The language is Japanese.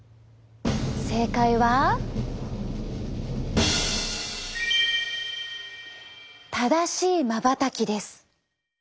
正解は正しいまばたきです！